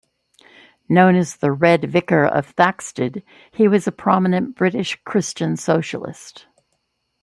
Known as the 'Red Vicar' of Thaxted, he was a prominent British Christian socialist.